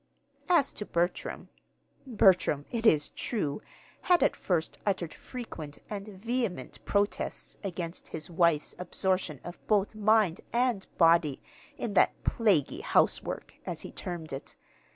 As to Bertram Bertram, it is true, had at first uttered frequent and vehement protests against his wife's absorption of both mind and body in "that plaguy housework," as he termed it.